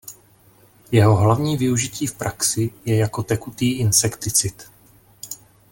Jeho hlavní využití v praxi je jako tekutý insekticid.